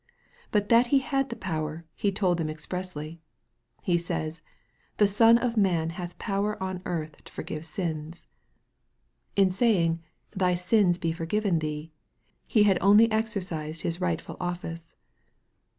But that He had the power He told them expressly. He says, " the Son of man hath power on earth to forgive sins." In saying, " thy sins be forgiven thee," He had only exercised His rightful office.